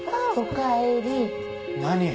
何？